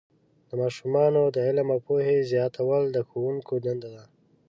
د ماشومانو د علم او پوهې زیاتول د ښوونکو دنده ده.